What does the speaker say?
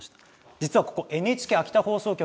実はここＮＨＫ秋田放送局